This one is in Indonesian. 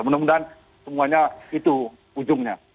mudah mudahan semuanya itu ujungnya